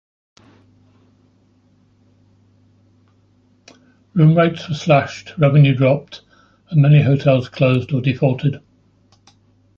Room rates were slashed, revenue dropped, and many hotels closed or defaulted.